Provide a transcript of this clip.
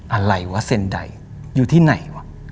อะไรวะเซ็นใดอยู่ที่ไหนวะ